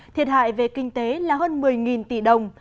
thiệt hại về kinh tế là hơn một mươi tỷ đồng